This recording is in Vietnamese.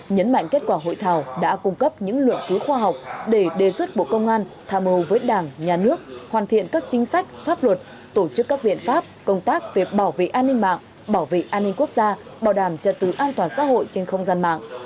nhấn mạnh kết quả hội thảo đã cung cấp những luận cứu khoa học để đề xuất bộ công an tham mưu với đảng nhà nước hoàn thiện các chính sách pháp luật tổ chức các biện pháp công tác về bảo vệ an ninh mạng bảo vệ an ninh quốc gia bảo đảm trật tự an toàn xã hội trên không gian mạng